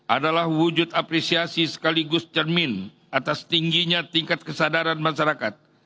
adalah wujud apresiasi sekaligus cermin atas tingginya tingkat kesadaran masyarakat